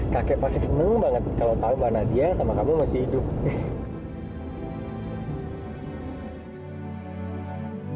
kakek pasti senang banget kalau tahu mbak nadia sama kamu masih hidup